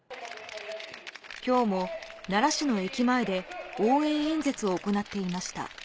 きょうも奈良市の駅前で、応援演説を行っていました。